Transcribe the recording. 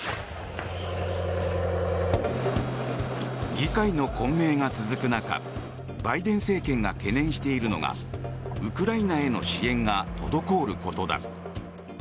議会の混迷が続く中バイデン政権が懸念しているのがウクライナへの支援が滞ることだ。